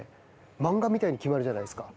漫画みたいに決まるじゃないですか。